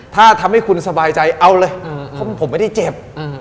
ถ้าทำให้คุณสบายใจเอาเลยผมไม่ได้เจ็บ